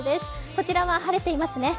こちらは晴れていますね。